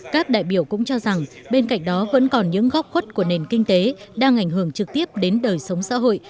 các đại biểu cũng cho rằng bên cạnh đó vẫn còn những góc khuất của nền kinh tế đang ảnh hưởng trực tiếp đến đời sống xã hội